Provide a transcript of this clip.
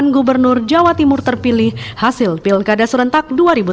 dan gubernur jawa timur terpilih hasil pilkada serentak dua ribu delapan belas